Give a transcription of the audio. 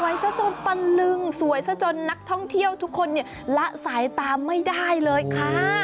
ซะจนตะลึงสวยซะจนนักท่องเที่ยวทุกคนเนี่ยละสายตาไม่ได้เลยค่ะ